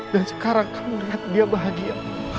dan sekarang kamu lihat dia bahagia